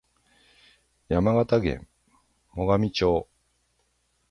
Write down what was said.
山形県最上町